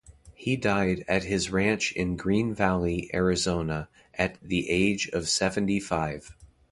He died at his ranch in Green Valley, Arizona, at the age of seventy-five.